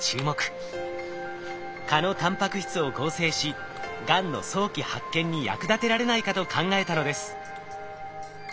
蚊のタンパク質を合成しがんの早期発見に役立てられないかと考えたのです。